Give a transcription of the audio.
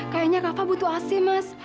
kayaknya kava butuh asih mas